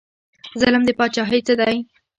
ظلم د پاچاهۍ څه دی؟